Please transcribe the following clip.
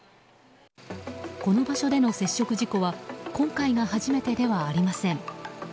この場所での接触事故は今回が初めてではありません。